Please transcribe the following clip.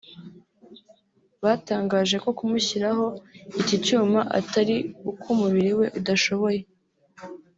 Batangaje ko kumushyiraho iki cyuma atari uko umubiri we udashoboye